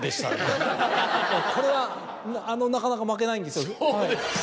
これはなかなか負けないんですよ。